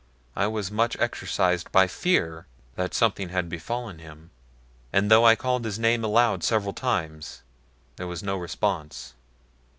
I was much exercised by fear that something had befallen him, and though I called his name aloud several times there was no response.